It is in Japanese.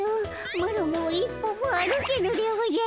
マロもう一歩も歩けぬでおじゃる。